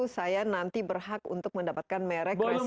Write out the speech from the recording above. saya nanti berhak untuk mendapatkan merek resiko